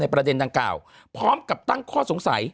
ประเด็นดังกล่าวพร้อมกับตั้งข้อสงสัย